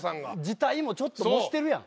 字体もちょっと模してるやん。